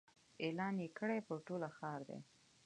اعلان یې کړی پر ټوله ښار دی